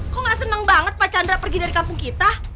kok gak senang banget pak chandra pergi dari kampung kita